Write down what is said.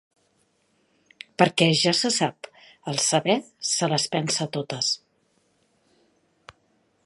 Perquè, ja se sap, el saber se les pensa totes.